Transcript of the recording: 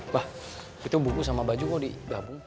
wah itu buku sama baju kok digabung